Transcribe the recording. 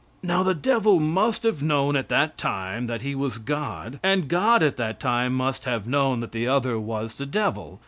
Now, the devil must have known at that time that he was God, and God at that time must have known that the other was the devil.